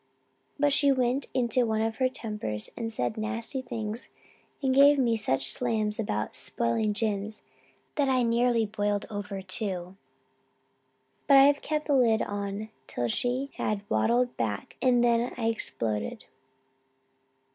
But she went into one of her tempers and said nasty things and gave me such slams about 'spoiling' Jims that I nearly boiled over, too. But I kept the lid on till she had waddled away and then I exploded.